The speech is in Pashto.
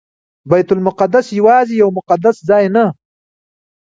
بیت المقدس یوازې یو مقدس ځای نه.